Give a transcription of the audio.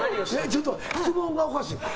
ちょっと待って、質問がおかしい。